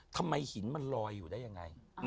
ทำไมหินมันลอยอยู่ได้ยังไง